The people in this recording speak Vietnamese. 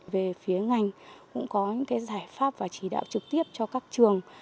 về phía ngành cũng có những giải pháp và chỉ đạo trực tiếp cho các trường